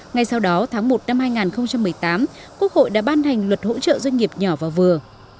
ngay sau đó tháng một năm hai nghìn một mươi tám quốc hội đã ban hành luật hỗ trợ doanh nghiệp nhỏ và vừa